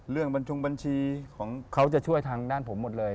บัญชงบัญชีของเขาจะช่วยทางด้านผมหมดเลย